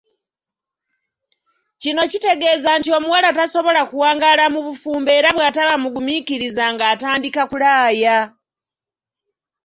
Kino kitegeeza nti omuwala tasobola kuwangaala mu bufumbo era bw’ataba mugumiikiriza ng’atandika kulaaya.